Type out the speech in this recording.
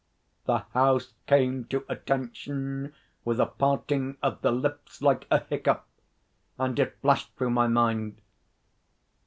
The House came to attention with a parting of the lips like a hiccough, and it flashed through my mind....